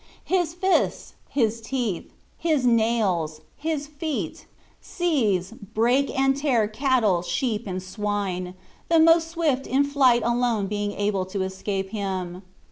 His fists, his teeth, his nails, his feet, seize, break, and tear cattle, sheep, and swine; the most swift in flight alone being able to escape him.